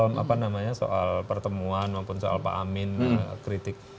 tapi tadi ada soal pertemuan maupun soal pak amin kritik